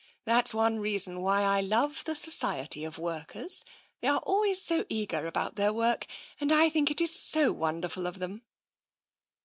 " That is one reason why I love the society of workers. They are always so eager about their work, and I think it is so wonderful of them."